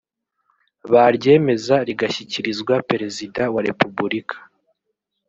baryemeza rigashyikirizwa Perezida wa Repubulika